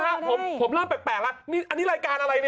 อ่าน่ารายการอะไรนี่